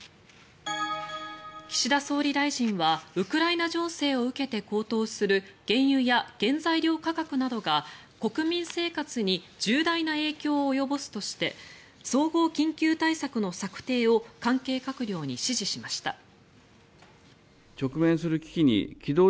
岸田総理大臣はウクライナ情勢を受けて高騰する原油や原材料価格などが国民生活に重大な影響を及ぼすとして総合緊急対策の策定を関係閣僚に指示しました。